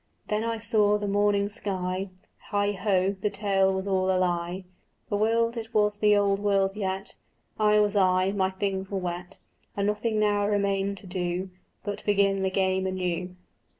Then I saw the morning sky: Heigho, the tale was all a lie; The world, it was the old world yet, I was I, my things were wet, And nothing now remained to do But begin the game anew.